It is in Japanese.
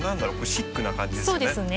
シックな感じですよね。